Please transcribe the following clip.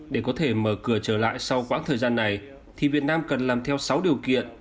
để có thể mở cửa trở lại sau quãng thời gian này thì việt nam cần làm theo sáu điều kiện